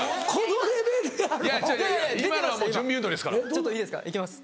ちょっといいですか行きます。